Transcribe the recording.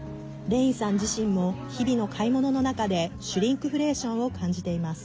レインさん自身も日々の買い物の中でシュリンクフレーションを感じています。